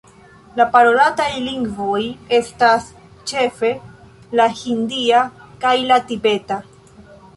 La parolataj lingvoj estas ĉefe la hindia kaj la tibeta.